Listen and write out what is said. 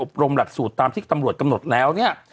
รมหลักสูตรตามที่ตำรวจกำหนดแล้วเนี่ย